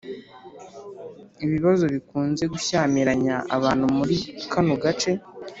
ibibazo bikunze gushyamiranya abantu muri kano gace